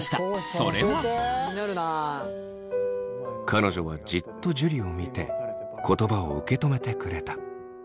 彼女はじっと樹を見て言葉を受け止めてくれた。